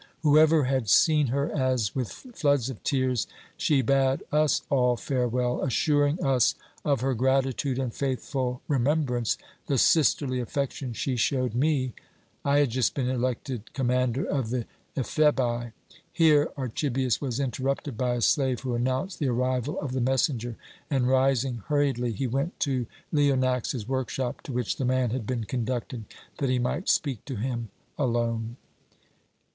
Whoever had seen her as, with floods of tears, she bade us all farewell, assuring us of her gratitude and faithful remembrance, the sisterly affection she showed me I had just been elected commander of the Ephebi " Here Archibius was interrupted by a slave, who announced the arrival of the messenger, and, rising hurriedly, he went to Leonax's workshop, to which the man had been conducted, that he might speak to him alone.